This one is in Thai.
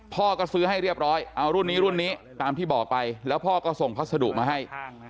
พ่อก็ซื้อให้เรียบร้อยเอารุ่นนี้รุ่นนี้ตามที่บอกไปแล้วพ่อก็ส่งพัสดุมาให้